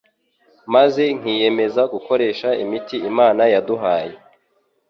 maze nkiyemeza gukoresha imiti Imana yaduhaye: